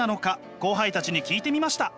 後輩たちに聞いてみました。